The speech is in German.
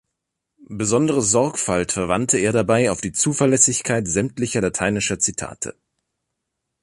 Besondere Sorgfalt verwandte er dabei auf die Zuverlässigkeit sämtlicher lateinischer Zitate.